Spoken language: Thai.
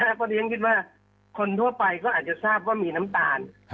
เพราะฉะนั้นคิดว่าคนทั่วไปก็อาจจะทราบว่ามีน้ำตาล